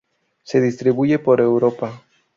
Se distribuye por Europa.